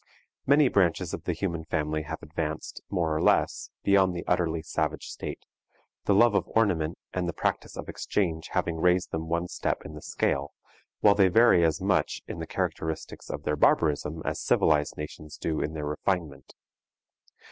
Many branches of the human family have advanced, more or less, beyond the utterly savage state, the love of ornament and the practice of exchange having raised them one step in the scale, while they vary as much in the characteristics of their barbarism as civilized nations do in their refinement.